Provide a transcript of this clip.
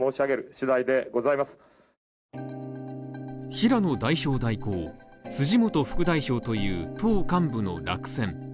平野代表代行、辻元副代表という、党幹部の落選。